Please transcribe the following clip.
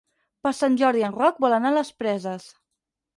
Per Sant Jordi en Roc vol anar a les Preses.